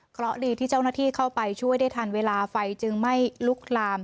เพราะดีที่เจ้าหน้าที่เข้าไปช่วยได้ทันเวลาไฟจึงไม่ลุกลาม